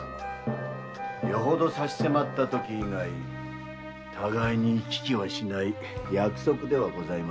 よほど差し迫ったとき以外互いに行き来はしない約束ではございませんか。